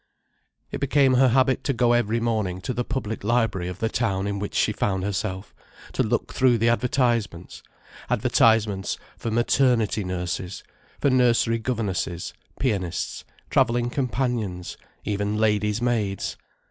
It became her habit to go every morning to the public library of the town in which she found herself, to look through the advertisements: advertisements for maternity nurses, for nursery governesses, pianists, travelling companions, even ladies' maids.